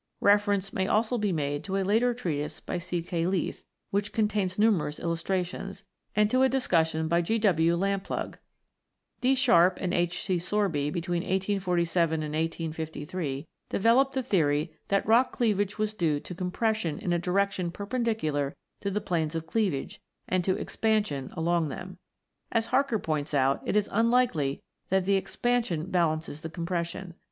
Reference may also be made to a later treatise by C. K. Leith(48), which contains numerous illustrations, and to a discussion by G. W. Lamplugh(49). D. Sharpe and H. C. Sorby, between 1847 and 1853, developed the theory that rock cleavage was due to compression in a direction perpendicular to the planes of cleavage and to expansion along them. As Harker points out, it is unlikely that the expansion balances the com pression.